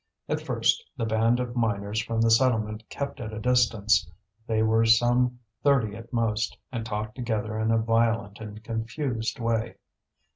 At first the band of miners from the settlement kept at a distance. They were some thirty at most, and talked together in a violent and confused way.